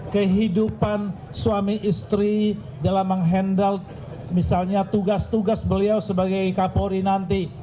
kehidupan suami istri dalam menghandle misalnya tugas tugas beliau sebagai kapolri nanti